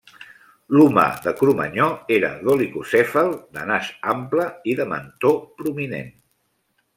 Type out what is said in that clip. L'humà de Cromanyó era dolicocèfal, de nas ample i de mentó prominent.